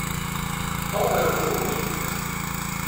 Povero Cruni!